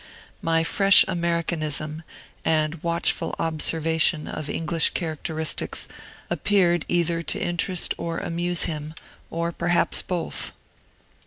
My fresh Americanism, and watchful observation of English characteristics, appeared either to interest or amuse him, or perhaps both.